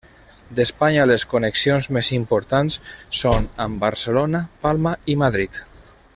D'Espanya, les connexions més importants són amb Barcelona, Palma i Madrid.